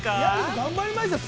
頑張りましたよ。